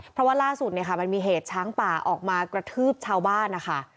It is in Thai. เพราะว่าล่าสุดเนี่ยค่ะมันมีเหตุช้างป่าออกมากระทืบชาวบ้านนะคะ